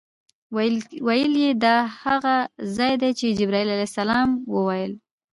ویل یې دا هغه ځای دی چې جبرائیل علیه السلام وویل.